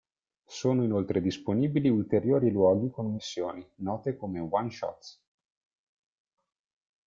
Sono inoltre disponibili ulteriori luoghi con missioni, note come One-Shots.